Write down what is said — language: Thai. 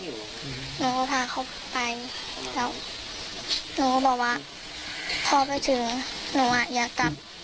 หนูก็พาเขาไปแล้วหนูก็บอกว่าพอไปถึงหนูอ่ะอยากกลับ